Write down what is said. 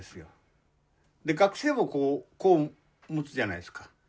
学生帽をこう持つじゃないですか。